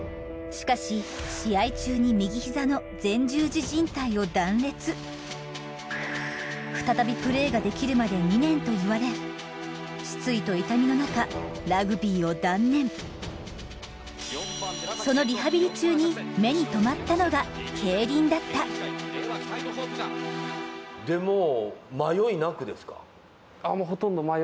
しかし試合中に再びプレーができるまで２年といわれ失意と痛みの中ラグビーを断念そのリハビリ中に目に留まったのが競輪だったでもう。